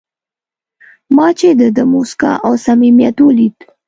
ما چې د ده موسکا او صمیمیت ولید.